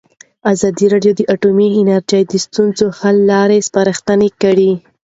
ازادي راډیو د اټومي انرژي د ستونزو حل لارې سپارښتنې کړي.